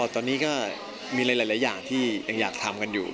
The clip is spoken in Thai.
ตอนนี้ก็มีหลายอย่างที่ยังอยากทำกันอยู่